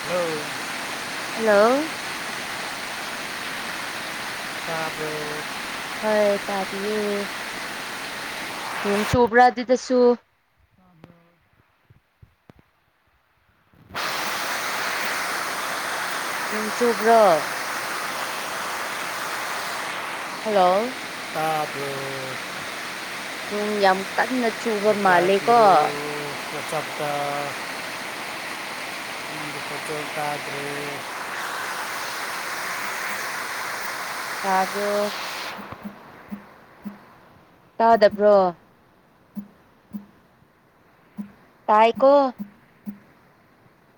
ꯍ ꯍꯜꯂꯣ ꯇꯥꯔ ꯍꯣꯏ ꯇꯥꯕꯤꯌꯦ ꯅꯣꯡ ꯆꯨꯕ꯭ꯔꯥ ꯑꯗꯨꯗꯁꯨ ꯅꯣꯡ ꯆꯨꯕ꯭ꯔꯣ ꯍꯜꯂꯣ ꯑꯕꯣ ꯅꯨꯡ ꯌꯥꯝ ꯀꯟꯅ ꯆꯨꯕ ꯃꯥꯜꯂꯦꯀꯣ ꯔꯁꯞꯗ ꯐꯣ ꯇꯣ ꯇꯗ꯭ꯔꯦ ꯀꯥꯕ꯭ꯔꯣ ꯇꯥꯗꯕ꯭ꯔꯣ ꯇꯥꯏꯀꯣ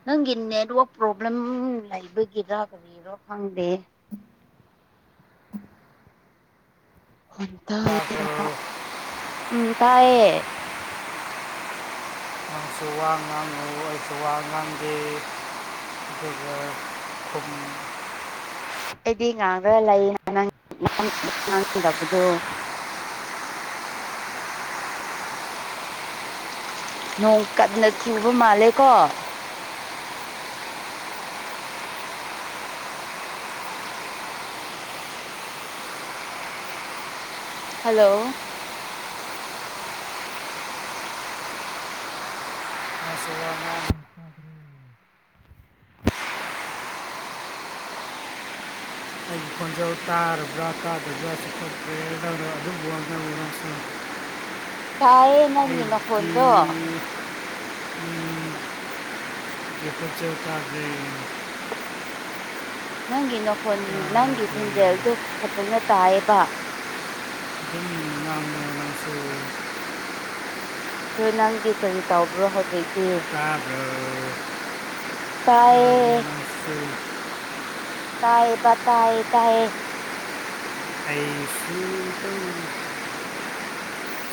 ꯅꯪꯒꯤ ꯅꯦꯠꯋꯛ ꯄ꯭ꯔꯣꯕ꯭ꯂꯦꯝ ꯂꯩꯕꯒꯤꯔꯥ ꯀꯔꯤꯔꯣ ꯈꯪꯗꯦ ꯍ ꯇꯦꯕ ꯎ ꯇꯌꯦꯦ ꯑꯩꯁꯨ ꯋꯥ ꯉꯥꯡꯉꯨ ꯑꯩꯁꯨ ꯋꯥ ꯉꯥꯡꯗꯦ ꯕꯔ ꯐꯨꯨ ꯑꯩꯗꯤ ꯉꯥ ꯈ ꯂꯩ ꯉꯥꯡꯗꯕꯗꯣ ꯅꯣꯡ ꯀꯟꯅ ꯆꯨꯕ ꯃꯥꯜꯂꯦ ꯀꯣ ꯍꯜꯂꯣ ꯑ ꯇꯧ ꯇꯥꯔꯨꯕ꯭ꯔꯥ ꯇꯥ ꯖꯥ ꯆꯊꯣꯛ ꯀꯗꯔ ꯑꯗꯨꯕꯨ ꯑꯃꯗ ꯇꯥꯏꯌꯦ ꯅꯪꯒꯤ ꯅꯈꯣꯟꯗꯣ ꯁꯨ ꯇ ꯅꯪꯒꯤ ꯅꯪꯒꯤ ꯈꯣꯟꯖꯦꯜꯗꯨꯣ ꯐꯖꯅ ꯇꯥꯏꯌꯦꯕ ꯍ ꯉ ꯃꯁꯨꯁ ꯑꯣꯏ ꯅꯪꯗꯤ ꯀꯔꯤ ꯇꯧꯕ꯭ꯔꯣ ꯍꯧꯖꯤꯛꯇꯤ ꯇꯌꯦ ꯎꯦ ꯇꯌꯦꯕ ꯇꯌꯦ ꯇꯌꯦ ꯁꯨ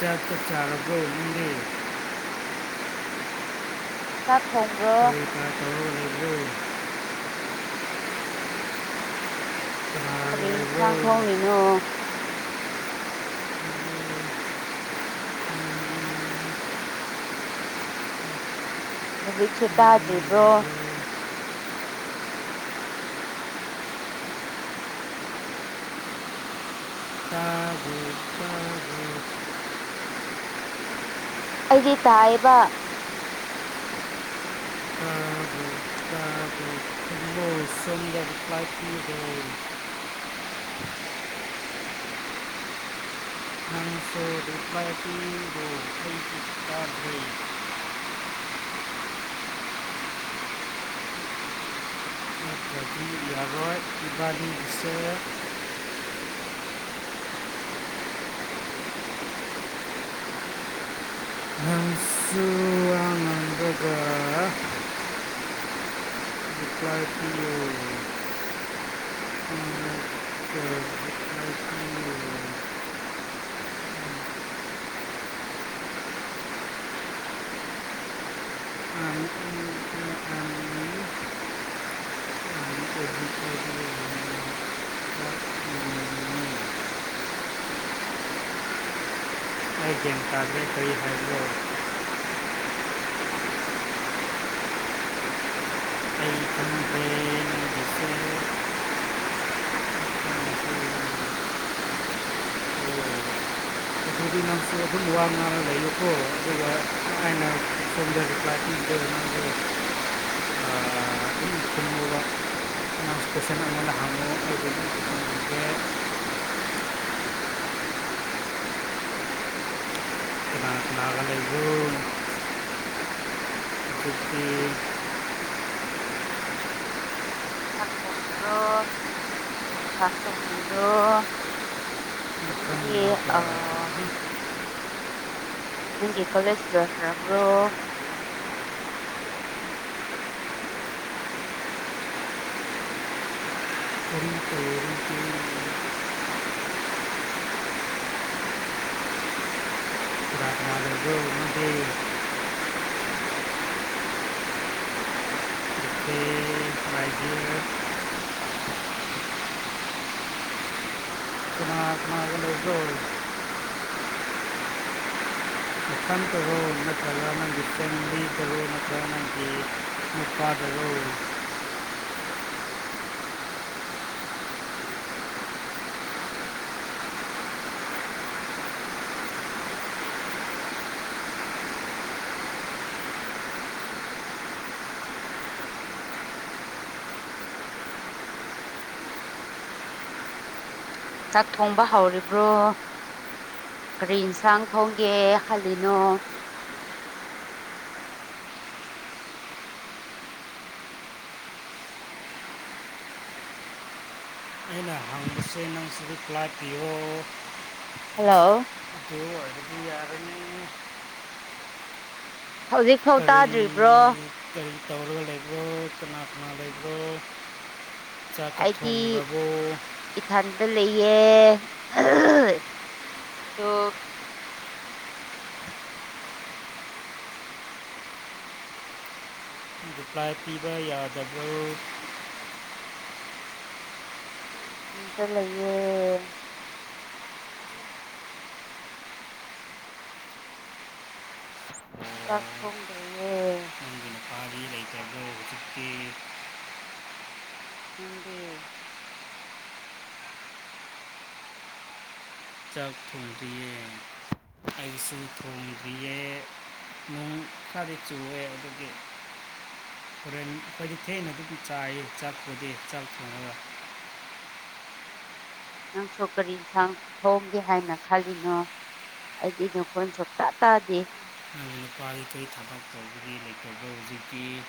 ꯆꯞ ꯆꯥꯔꯔꯕ ꯎꯦ ꯆꯥꯛ ꯊꯣꯡꯕ꯭ꯔꯣ ꯇ ꯎꯝ ꯀꯔꯤ ꯏꯟꯁꯥꯡ ꯊꯣꯡꯂꯤꯅꯣ ꯍꯧꯖꯤꯛꯁꯨ ꯇꯥꯗ꯭ꯔꯤꯕ꯭ꯔꯣ ꯑꯩꯗꯤ ꯇꯥꯏꯌꯦꯕ ꯌꯥꯔꯣꯏ ꯕꯤꯁ ꯍꯪꯁꯨꯅꯟꯗꯗ ꯄ꯭ꯂꯥꯏ ꯄꯤꯂꯣ ꯥꯏ ꯄꯤꯂꯣ ꯑꯩꯒꯤꯦꯝ ꯀꯥꯕꯂꯤ ꯀ ꯍꯥꯏꯗ ꯑꯩꯕꯤꯁꯤ ꯈꯨꯠ ꯋꯥ ꯉ ꯂꯩꯔꯛꯑꯣ ꯑꯗꯨꯒ ꯑꯩꯅ ꯊꯣꯖꯔꯄ ꯎ ꯁꯟꯦ ꯍꯥꯗꯦ ꯌꯟ ꯑꯗꯨꯛꯇꯀꯤ ꯆꯥꯛ ꯊꯣꯡꯕ꯭ꯔꯣ ꯌꯦꯟꯁꯥꯡ ꯊꯣꯡꯉꯔꯣ ꯃꯐꯝ ꯗꯤ ꯑꯃꯒ ꯑ ꯅꯪꯒꯤ ꯀꯣꯂꯦꯖ ꯂꯣꯏꯈ꯭ꯔꯕ꯭ꯔꯣ ꯥꯒ ꯅꯥ ꯀꯅꯥ ꯂꯩꯕꯣ ꯇꯣꯠꯇꯇꯠꯇ ꯄꯥꯗ ꯆꯥꯛ ꯊꯣꯡꯕ ꯍꯥꯎꯔꯤꯕ꯭ꯔꯣ ꯀꯔꯤ ꯌꯦꯟꯁꯥꯡ ꯊꯣꯡꯒꯦ ꯈꯜꯂꯤꯅꯣ ꯑꯩꯅ ꯍꯪꯕꯁꯦ ꯅꯪꯁꯤꯕꯨ ꯀ꯭ꯂꯥꯛꯄꯤꯤꯔꯣ ꯍꯜꯂꯣ ꯍ ꯌꯥꯔ ꯍꯧꯖꯤꯛꯐꯥꯎ ꯇꯥꯗ꯭ꯔꯤꯕ꯭ꯔꯣ ꯇꯧꯔꯒꯕꯣ ꯆꯅ ꯆꯥꯛꯀ ꯊꯣꯡꯕꯕꯨ ꯏ ꯊꯟꯗ ꯂꯩꯌꯦ ꯇ ꯄ꯭ꯂꯥꯏ ꯄꯤꯕ ꯌꯥꯗꯕ꯭ꯔꯣ ꯑꯇ ꯂꯩꯌꯦ ꯂꯥꯛ ꯑꯣ ꯇꯣꯡꯉ꯭ꯔꯦ ꯅꯪꯒꯤ ꯅꯨꯄꯥꯗꯤ ꯂꯩꯇꯕ꯭ꯔꯣ ꯍꯧꯖꯤꯛꯇꯤ ꯎꯝꯗ ꯑꯥꯏꯁꯨ ꯐ꯭ꯔꯨꯝ ꯌꯦ ꯆꯂꯤꯠꯁꯨ ꯑꯦ ꯑꯗꯨ ꯊꯅ ꯑꯗꯨ ꯆꯥꯏ [inaudible] ꯆꯠꯄꯦ ꯆꯠ [inaudible] ꯅꯪꯁꯨ ꯀꯔꯤ ꯌꯦꯟꯁꯥꯡ ꯊꯣꯡꯒꯦ ꯍꯥꯏꯅ ꯈꯜꯂꯤꯅꯣ ꯑꯩꯗꯤ ꯅꯈꯣꯏꯣꯟ ꯁꯣꯛꯇꯥ ꯇꯥꯗꯦ ꯋꯥꯔꯀꯩ ꯊꯝꯕꯛ ꯀꯦ [inaudible] ꯍꯧꯖꯤꯗꯒꯤ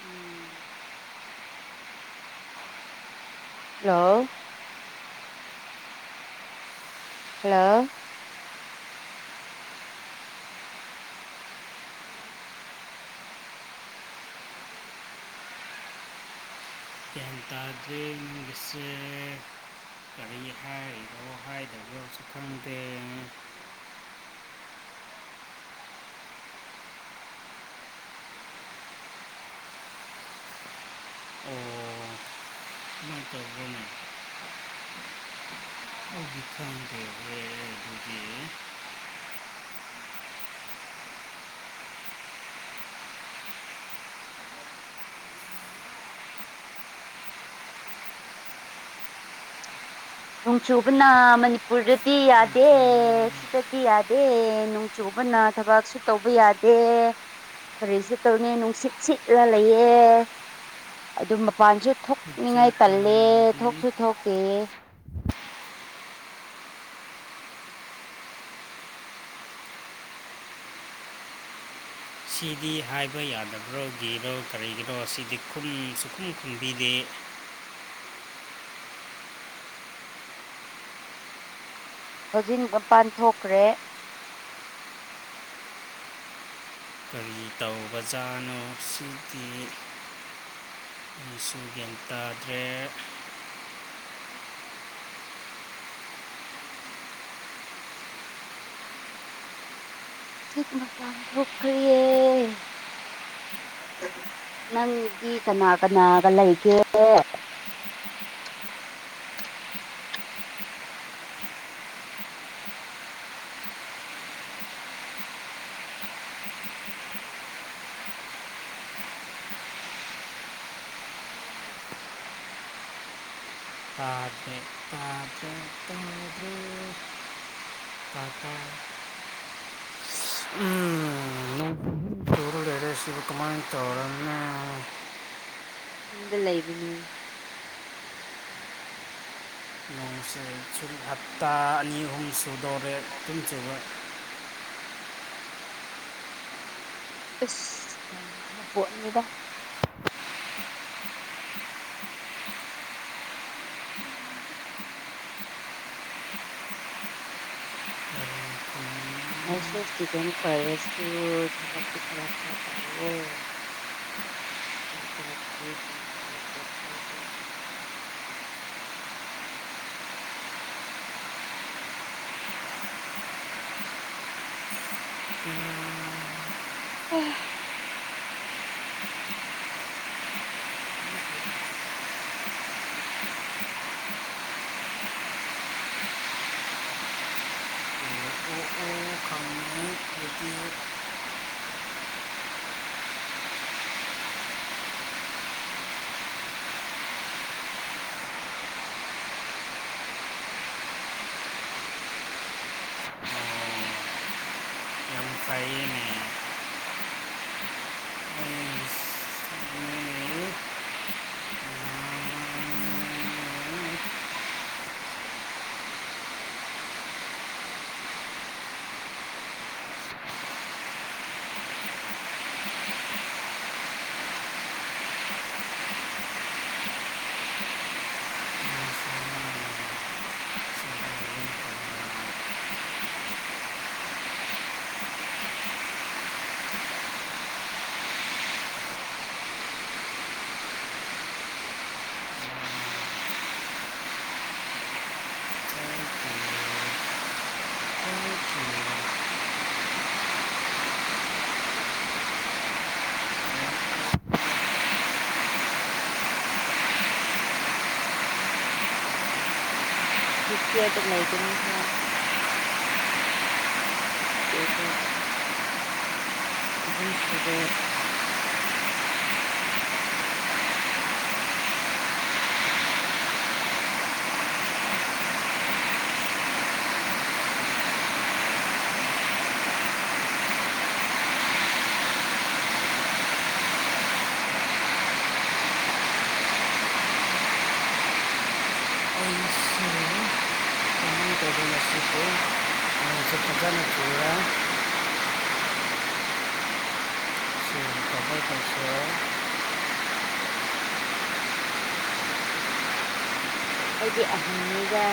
ꯎꯝ ꯍꯜꯂꯣ ꯍꯜꯂꯣ ꯑꯗꯨꯁ ꯏꯕꯤꯍ ꯑꯗ ꯑꯣ ꯎ [unintelligible] [inaudible] ꯑꯣꯖ [inaudible] ꯅꯣꯡ ꯆꯨꯕꯅ ꯃꯅꯤꯄꯨꯔꯗꯗꯤ ꯌꯥꯗꯦ ꯁꯤꯗꯗꯤ ꯌꯥꯗꯦ ꯆꯨꯕꯅ ꯊꯕꯛꯁꯨ ꯇꯧꯕ ꯌꯥꯗꯦ ꯀꯔꯤꯁꯨ ꯇꯧꯅꯤ ꯅꯨꯡꯁꯤꯠ ꯁꯤꯠꯂ ꯂꯩꯌꯦ ꯑꯗꯨꯝ ꯃꯄꯥꯟꯁꯨ ꯊꯣꯛꯅꯤꯡꯉꯥꯏ ꯇꯜꯂꯦ ꯊꯣꯛꯁꯨ ꯊꯣꯛꯇꯦ ꯁꯤꯗꯤ ꯍꯥꯏꯕ ꯌꯥꯗꯕ꯭ꯔꯣꯒꯤꯔꯣ ꯀꯔꯤꯒꯤꯔꯣ ꯁꯤꯗꯤ ꯈꯨꯝ ꯁꯨꯈꯨꯝ ꯈꯨꯝꯕꯤꯗꯦ ꯍꯧꯖꯤꯛ ꯄꯥꯟꯊꯣꯛꯈ꯭ꯔꯦ ꯕꯖꯅꯣꯁꯤ ꯁꯨ ꯌꯦꯇꯥꯗ꯭ꯔꯦ ꯆꯤꯛ ꯃꯄꯥꯟ ꯊꯣꯛꯈ꯭ꯔꯤꯑꯦ ꯅꯪꯗꯤ ꯀꯅꯥ ꯀꯅꯥꯒ ꯂꯩꯒꯦ ꯑꯥ ꯎꯝ ꯂꯩꯔꯦꯁꯤꯕ ꯀꯨꯃꯥꯡ ꯇꯧꯔꯅ ꯌꯗ ꯂꯩꯕꯅꯦ ꯁꯨꯔꯤ ꯍꯞꯇꯥꯅꯤ ꯍꯨꯝ ꯁꯨꯗꯣꯔꯦꯞ ꯄꯨꯨꯝꯖꯕ ꯑꯁꯇꯟꯣ ꯈꯔ ꯄꯣꯠꯅꯤꯗ ꯑꯩꯁꯨ ꯏꯁꯇꯨꯗꯦꯟ ꯑꯣꯏꯔꯁꯨ ꯊꯕꯛꯇꯤ ꯈꯔ ꯈꯔ ꯇꯧꯋꯣ ꯇꯊꯔꯛꯀꯤ ꯅꯨꯡꯉꯥꯏꯕꯗꯣ ꯑꯣ ꯎ ꯎꯗ ꯑꯦꯁꯤ ꯑꯗꯔ ꯂ ꯂꯩꯒꯅꯤ ꯍꯣ ꯆꯇ ꯑꯍꯨꯝ ꯁꯨꯔꯦ ꯑꯩꯁꯦ ꯀꯃꯥꯏꯅ ꯇꯧꯗꯅ ꯁꯤꯕꯨ ꯐꯖꯅ ꯊꯤꯔ ꯁꯤ ꯔꯤꯀꯣꯕꯔ ꯇꯧꯁꯤꯔ ꯑꯩꯗꯤ ꯑꯍꯟꯅꯤꯗ